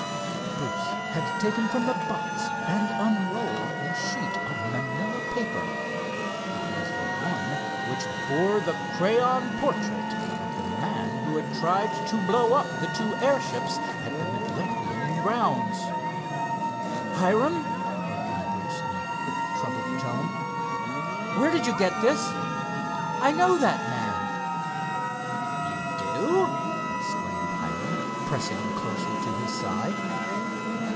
Bruce had taken from the box and unrolled a sheet of manilla paper. It was the one which bore the crayon portrait of the man who had tried to blow up the two airships at the Midlothian grounds. "Hiram," spoke Bruce in a quick troubled tone, "where did you get this? I know that man!" "You do!" exclaimed Hiram, pressing closely to his side.